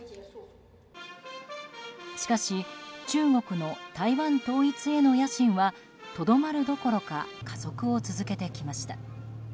しかし中国の台湾統一への野心はとどまるどころか加速を続けてきました。